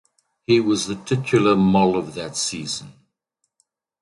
He was the titular Mol of that season.